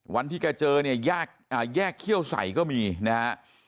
วันที่แกเจอเนี่ยแยกเขี้ยวใส่ก็มีนะฮะ